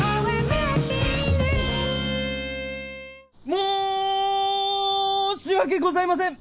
申し訳ございません！